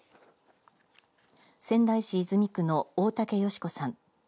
仙台市泉区の大竹由子さん。